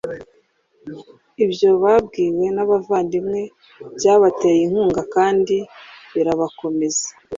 ibyo babwiye abo bavandimwe byabateye inkunga kandi birabakomeza